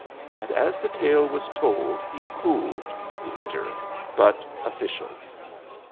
And as the tale was told he cooled, bitter, but official.